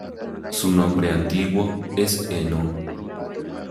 Su nombre antiguo es Eno.